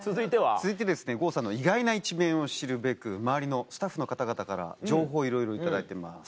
続いて郷さんの意外な一面を知るべく周りのスタッフの方々から情報をいろいろ頂いています。